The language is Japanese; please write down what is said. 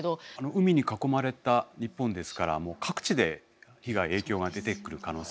海に囲まれた日本ですから各地で被害影響が出てくる可能性がある。